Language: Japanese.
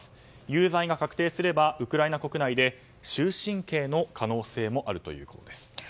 有罪が確定すればウクライナ国内で終身刑の可能性もあるということです。